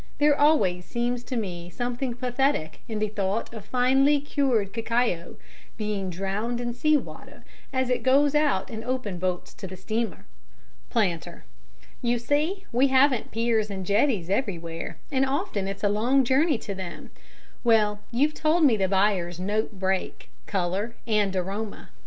There always seems to me something pathetic in the thought of finely cured cacao being drowned in sea water as it goes out in open boats to the steamer. PLANTER: You see, we haven't piers and jetties everywhere, and often it's a long journey to them. Well, you've told me the buyers note break, colour and aroma.